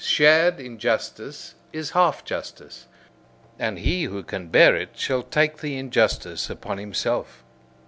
Shared injustice is half justice. And he who can bear it, shall take the injustice upon himself!